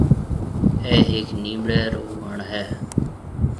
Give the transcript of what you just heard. اَي هيَڪ نيمٻڙي رو وڻ هيَ۔